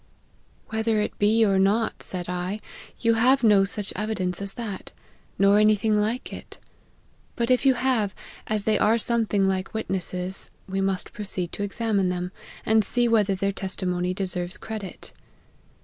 ' Whether it be or not,' said I, ' you have no such evidence as that, nor any thing like it ; but if you have, as they are something like witnesses, we must proceed to examine them, and see whether their testimony deserves credit.'